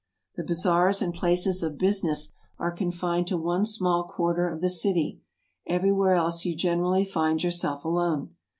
The bazaars and places of business are confined to one small quarter of the city; every where else you generally find yourself alone.